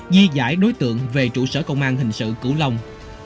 di giải đối tượng về trụ sở công an hình sự cửu long